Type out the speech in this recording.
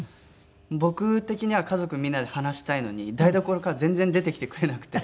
僕的には家族みんなで話したいのに台所から全然出てきてくれなくて。